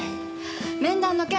面談の件